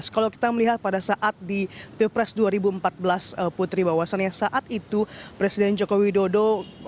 kalau kita melihat pada saat di pilpres dua ribu empat belas putri bahwasannya saat itu presiden joko widodo